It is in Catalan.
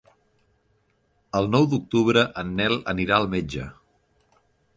El nou d'octubre en Nel anirà al metge.